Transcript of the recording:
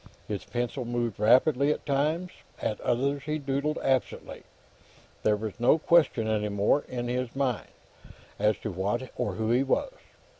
His pencil moved rapidly at times; at others, he doodled absently. There was no question, any more, in his mind, as to what or who he was.